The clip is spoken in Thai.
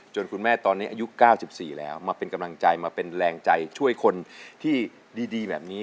คุณแม่ตอนนี้อายุ๙๔แล้วมาเป็นกำลังใจมาเป็นแรงใจช่วยคนที่ดีแบบนี้